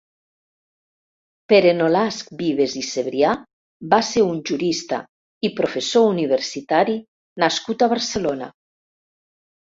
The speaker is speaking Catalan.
Pere Nolasc Vives i Cebrià va ser un jurista i professor universitari nascut a Barcelona.